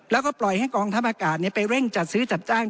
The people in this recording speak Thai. แล้วก็ปล่อยให้กองทัพอากาศไปเร่งจัดซื้อจัดจ้าง